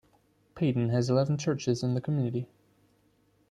Paden has eleven churches in the community.